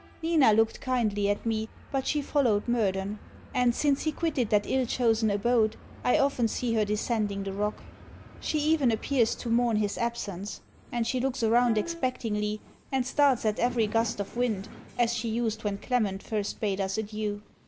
Nina looked kindly at me, but she followed Murden; and, since he quitted that ill chosen abode, I often see her descending the rock. She even appears to mourn his absence; and she looks around expectingly, and starts at every gust of wind, as she used when Clement first bade us adieu.